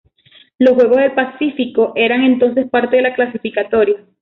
Los Juegos del Pacífico eran entonces parte de la clasificatoria.